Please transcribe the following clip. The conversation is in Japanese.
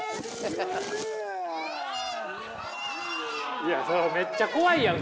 いやめっちゃ怖いやん！